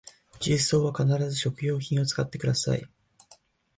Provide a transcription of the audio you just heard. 重曹は必ず食品用を使ってください